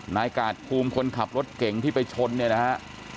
นายกาดภูมิคนขับรถเก่งที่ไปชนเนี่ยนะฮะ